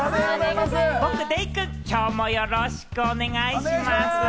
僕デイくん、きょうもよろしくお願いしますぅ。